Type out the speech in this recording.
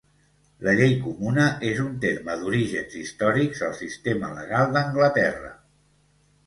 La llei comuna és un terme d'orígens històrics al sistema legal d'Anglaterra.